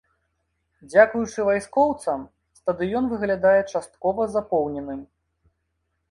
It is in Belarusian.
Дзякуючы вайскоўцам, стадыён выглядае часткова запоўненым.